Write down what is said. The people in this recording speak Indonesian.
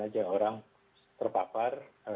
aja orang terpapar